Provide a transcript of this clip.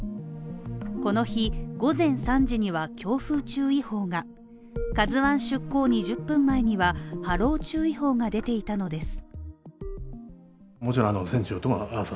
この日、午前３時には強風注意報が「ＫＡＺＵⅠ」出港２０分前には波浪注意報が出ていたのです。